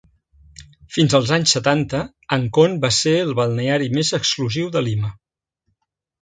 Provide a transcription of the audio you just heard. Fins als anys setanta, Ancón va ser el balneari més exclusiu de Lima.